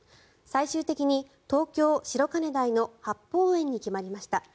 最終的に東京・白金台の八芳園に決まりました。